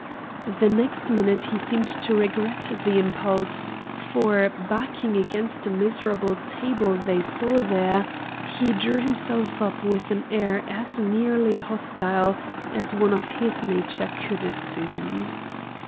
The next minute he seemed to regret the impulse, for backing against a miserable table they saw there, he drew himself up with an air as nearly hostile as one of his nature could assume.